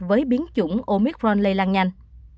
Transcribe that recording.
với biến chủng omicron lây lan nhanh